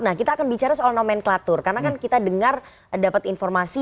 nah kita akan bicara soal nomenklatur karena kan kita dengar dapat informasi